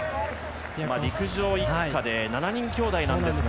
陸上一家で７人きょうだいなんですが。